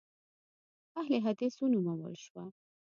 اهل حدیث ونومول شوه.